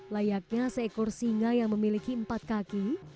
layaknya seekor singa yang memiliki empat kaki